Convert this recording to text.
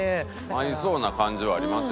合いそうな感じはありますよね。